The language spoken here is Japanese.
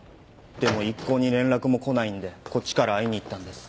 でも一向に連絡も来ないのでこっちから会いに行ったんです。